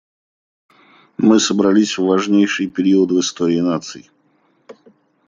Мы собрались в важнейший период в истории наций.